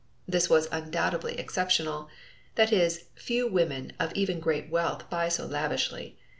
This was undoubtedly exceptional; that is, few women of even great wealth buy so lavishly.